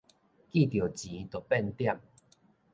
見著錢著變點